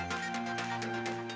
ingin disianeima pengkajian ini